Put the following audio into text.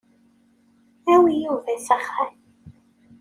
Awi Yuba s axxam.